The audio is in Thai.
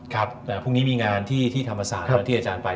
ค่ะพรุ่งนี้มีงานที่นี่ธรรมศาสน์ที่ที่อาจารย์ไป